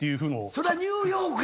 「それはニューヨークや」